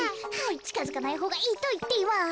ちかづかないほうがいいといっています。